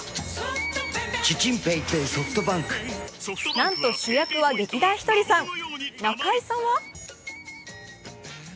なんと主役は劇団ひとりさん、中居さんは？